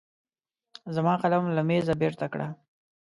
زما قلم له مېزه بېرته کړه.